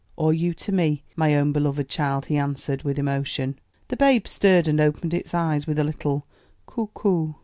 "Or you to me, my own beloved child," he answered with emotion. The babe stirred, and opened its eyes with a little, "Coo, coo."